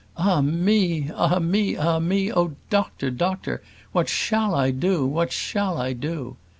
Ah me! ah me! ah me! oh, doctor! doctor! what shall I do? what shall I do?"